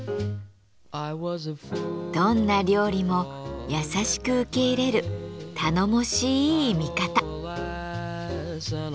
どんな料理も優しく受け入れる頼もしい味方。